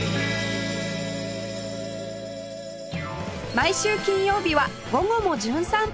毎週金曜日は『午後もじゅん散歩』